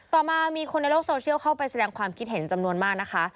ต่อมามีคนในโลกโซเชียลเข้าไปแสดงความคิดเห็นจำนวนมากนะคะ